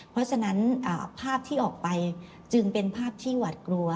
เพราะฉะนั้นภาพที่ออกไปจึงเป็นภาพที่หวัดกลัว